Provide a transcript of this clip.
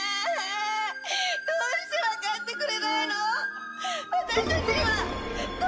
どうして分かってくれないの？